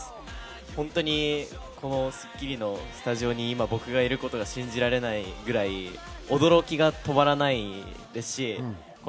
本当に『スッキリ』のスタジオに今僕がいることが信じられないぐらい、驚きが止まらないです。